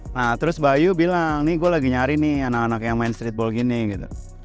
nah terus bayu bilang nih gue lagi nyari nih anak anak yang main streetball gini gitu